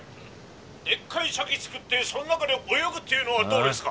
でっかい茶器つくってその中で泳ぐっていうのはどうですか？」。